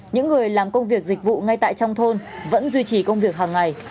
những người làm công việc dịch vụ ngay tại trong thôn vẫn duy trì công việc hàng ngày